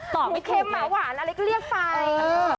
หรือเข็มหรือหวานอะไรก็เรียกไป